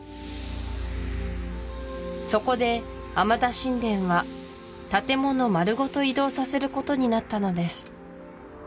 そこでアマダ神殿は建物丸ごと移動させることになったのです